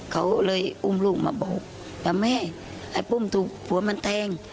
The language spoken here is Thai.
เขาเลยอุ้มลูกมาบอกแล้วแม่ไอ้ปุ้มถูกผัวมันแทง